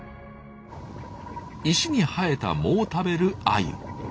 石に生えた藻を食べるアユ。